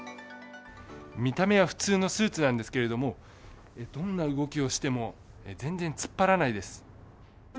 見た目は普通のスーツなんですけれども、どんな動きをしても全然突っ張らないです。